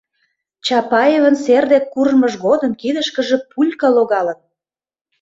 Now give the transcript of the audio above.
Чапаевын сер дек куржмыж годым кидышкыже пулька логалын...